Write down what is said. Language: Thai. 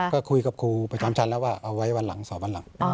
ก็คุยกับครูประจำชั้นแล้วว่าเอาไว้วันหลังสอบวันหลัง